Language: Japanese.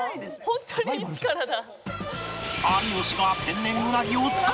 ホントに一からだ。